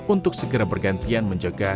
untuk segera bergantian menjaga